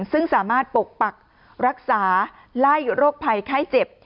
ซึ่งสามารถปกปักรักษาไล่โรคภัยไข้เจ็บ